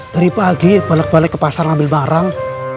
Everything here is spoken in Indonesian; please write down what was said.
dari pagi balik balik ke pasar ngambil barang